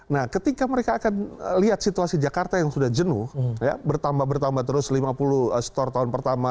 nah ketika mereka akan lihat situasi jakarta yang sudah jenuh bertambah bertambah terus lima puluh store tahun pertama